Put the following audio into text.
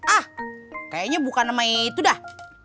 ah kayaknya bukan namanya itu dah